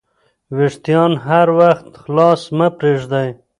وېښتان هر وخت خلاص مه پریږدئ.